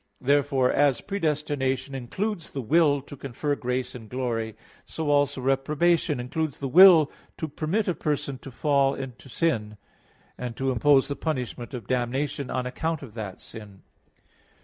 1). Therefore, as predestination includes the will to confer grace and glory; so also reprobation includes the will to permit a person to fall into sin, and to impose the punishment of damnation on account of that sin.